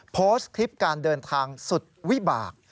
โพสต์คลิปการเดินทางสุดวิบาก